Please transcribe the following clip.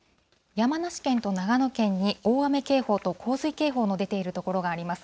山梨県と長野県に、大雨警報と洪水警報の出ている所があります。